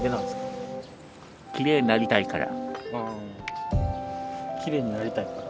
あきれいになりたいから。